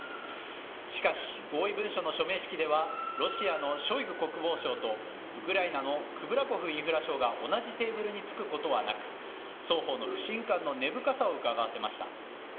しかし、合意文書の署名式では、ロシアのショイグ国防相とウクライナのクブラコフインフラ相が同じテーブルに着くことはなく、双方の不信感の根深さをうかがわせました。